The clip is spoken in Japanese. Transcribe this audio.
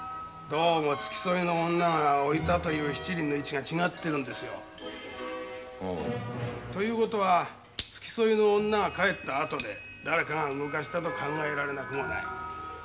どうも付き添いの女が「置いた」と言う七輪の位置が違ってるんですよ。という事は付き添いの女が帰ったあとで誰かが動かしたと考えられなくもない。